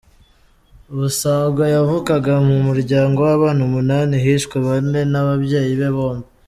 Busangwa yavukaga mu muryango w’abana umunani, hishwe bane n’ababyeyi be bombi.